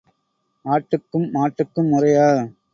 ஆட்டுக்கும் மாட்டுக்கும் முறையா?